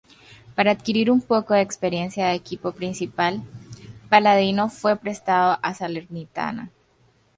Para adquirir un poco de experiencia de equipo principal, Palladino fue prestado al Salernitana.